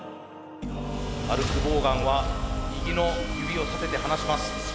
ハルク・ボーガンは右の指を立てて離します。